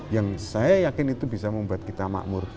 yang saya yakin itu bisa membuat kita makmur